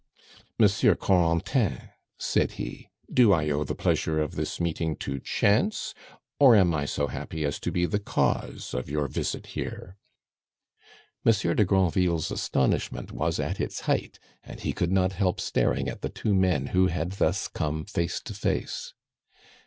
"Monsieur Corentin," said he, "do I owe the pleasure of this meeting to chance, or am I so happy as to be the cause of your visit here?" Monsieur de Granville's astonishment was at its height, and he could not help staring at the two men who had thus come face to face.